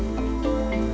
kita harus menempatkan diri